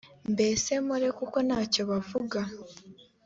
mbese mpore kuko nta cyo bavuga